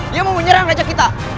dia mau menyerang raja kita